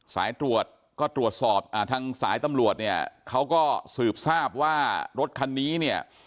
สายตรวจก็ตรวจสอบทางสายตำรวจเนี่ยเขาก็สืบทราบว่ารถคันนี้เนี่ย